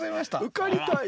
うかりたい。